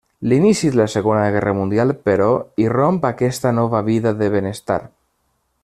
L'inici de la Segona Guerra Mundial però, irromp aquesta nova vida de benestar.